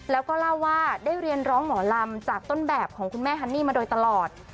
แล้วก็เล่าว่าได้เรียนร้องหมอลำจากต้นแบบของคุณแม่ฮันนี่มาโดยตลอด